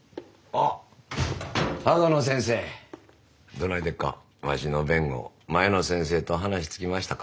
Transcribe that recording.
どないでっかわしの弁護前の先生と話つきましたか？